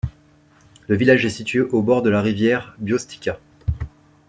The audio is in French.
Le village est situé au bord de la rivière Bioštica.